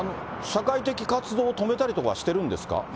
社会的活動止めたりとかしてるんですか？